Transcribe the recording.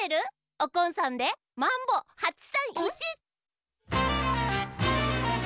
おこんさんで「マンボ８３１」！